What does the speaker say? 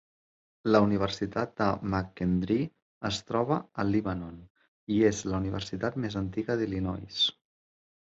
La Universitat de McKendree es troba a Lebanon, i és la universitat més antiga d'Illinois.